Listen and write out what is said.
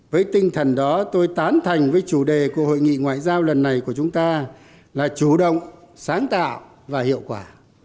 với tinh thần đó tôi tán thành với chủ đề của hội nghị ngoại giao lần này của chúng ta là chủ động sáng tạo và hiệu quả